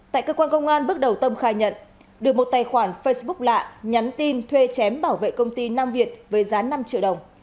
tại cơ quan công an bước đầu tâm khai nhận được một tài khoản facebook lạ nhắn tin thuê chém bảo vệ công ty nam việt với giá năm triệu đồng